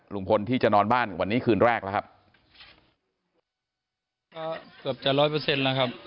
ลุงพลที่จะนอนบ้านวันนี้คืนแรกแล้วครับก็เกือบจะร้อยเปอร์เซ็นต์แล้วครับ